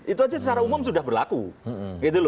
itu saja secara umum sudah berlaku